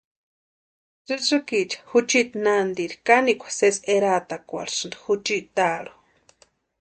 Tsïtsïkiecha juchiti nanteri kanekwa sésï eraatakwarhisïnti juchiti taarhu.